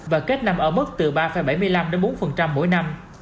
và kết nằm ở mức từ ba bảy mươi năm bốn mỗi năm